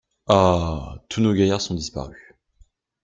Ah ! tous nos gaillards sont disparus.